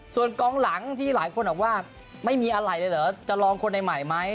ส่วนกองหลังที่หลายคนบอกว่าไม่มีอะไรเลยเหรอจะลองคนใหม่ไหม